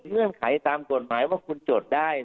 เงื่อนไขตามกฎหมายว่าคุณจดได้